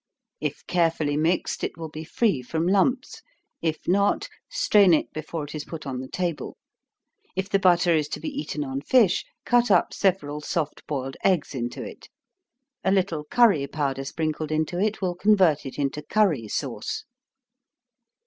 If carefully mixed, it will be free from lumps if not, strain it before it is put on the table. If the butter is to be eaten on fish, cut up several soft boiled eggs into it. A little curry powder sprinkled into it, will convert it into curry sauce.